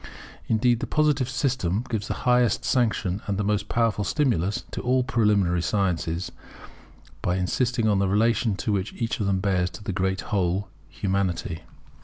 Indeed the Positive system gives the highest sanction and the most powerful stimulus to all preliminary sciences, by insisting on the relation which each of them bears to the great whole, Humanity.